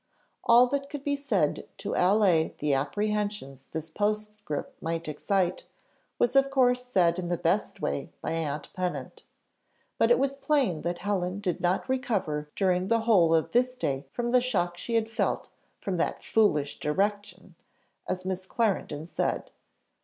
All that could be said to allay the apprehensions this postscript might excite, was of course said in the best way by aunt Pennant. But it was plain that Helen did not recover during the whole of this day from the shock she had felt "from that foolish direction," as Miss Clarendon said.